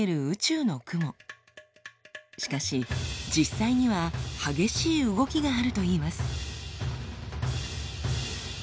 しかし実際には激しい動きがあるといいます。